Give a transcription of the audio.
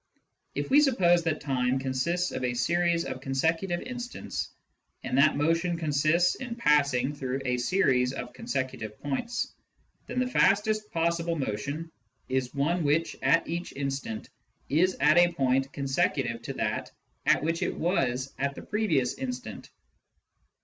If we suppose that time consists of a series of consecutive instants, and that motion consists in passing through a series of con secutive points, then the fastest possible motion is one which, at each instant, is at a point consecutive to that at which it was at the previous instant.